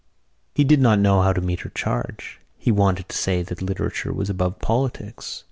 He did not know how to meet her charge. He wanted to say that literature was above politics.